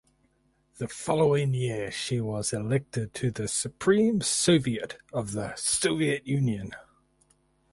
The following year she was elected to the Supreme Soviet of the Soviet Union.